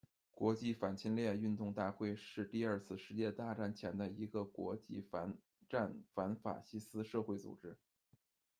国际反侵略运动大会，是第二次世界大战前的一个国际反战反法西斯社会组织。